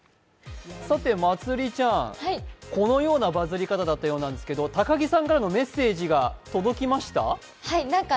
まつりちゃん、このようなバズり方だったようなんですけれども、高木さんからのメッセージ届きましたか？